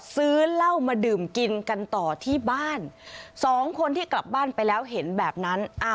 ซื้อเหล้ามาดื่มกินกันต่อที่บ้านสองคนที่กลับบ้านไปแล้วเห็นแบบนั้น